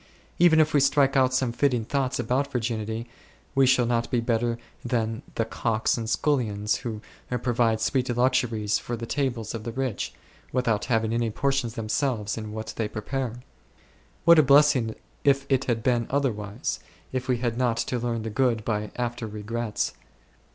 walking Even if we strike out some fitting thoughts about virginity, we shall not be better than the cooks and scullions who provide sweet luxuries for the tables of the rich, without having any portion themselves in what they prepare. What a blessing if it had been otherwise, if we had not to learn the good by after regrets